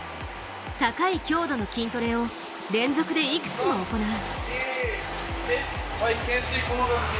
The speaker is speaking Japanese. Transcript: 高い強度の筋トレを連続でいくつも行う。